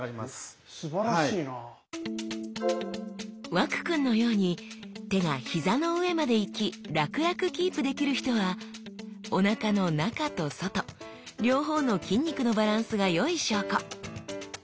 和空くんのように手が膝の上までいき楽々キープできる人はおなかの中と外両方の筋肉のバランスがよい証拠。